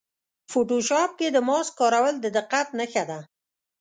فوټوشاپ کې د ماسک کارول د دقت نښه ده.